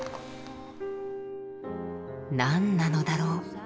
何なのだろう